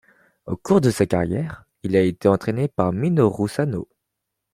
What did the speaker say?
Au cours de sa carrière, il a été entraîné par Minoru Sano.